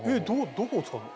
どこを使うの？